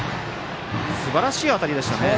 すばらしい当たりでしたね。